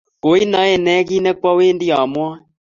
Koi nae ne kit ne kwawendi amwae?